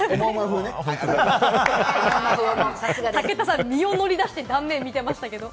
武田さん、身を乗り出して断面見てましたね。